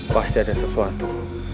pasti ada sesuatu